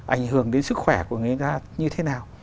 ảnh hưởng đến sức khỏe của người ta như thế nào